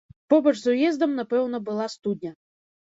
Побач з уездам, напэўна, была студня.